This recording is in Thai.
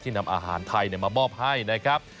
นำอาหารไทยมามอบให้นะครับ